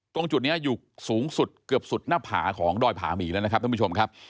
ตรงจุดนี้อยู่สูงสุดเกือบสุดหน้าผาของดอยผามีแล้วนะครับ